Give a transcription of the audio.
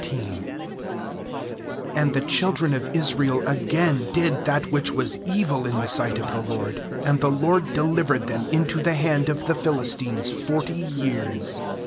•j O And the children of Israel again did that which was evil in the sight of the LORD; and the LORD delivered them into the hand of the Philistines forty years.